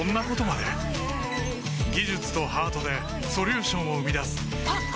技術とハートでソリューションを生み出すあっ！